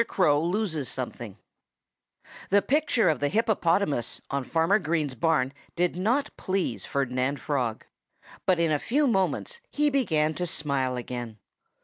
CROW LOSES SOMETHING The picture of the hippopotamus on Farmer Green's barn did not please Ferdinand Frog. But in a few moments he began to smile again.